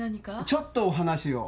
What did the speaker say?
ちょっとお話を。